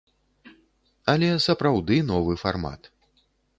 Але сапраўды новы фармат.